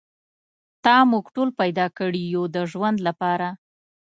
تا موږ ټول پیدا کړي یو د ژوند لپاره.